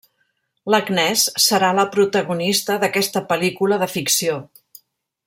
L'Agnès serà la protagonista d'aquesta pel·lícula de ficció.